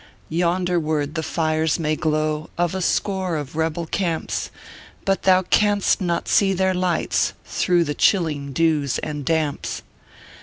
Tonderward the fires may glow Of a score of rebel camps ; But thou canst not see their lights, Through the chilling dews and damps.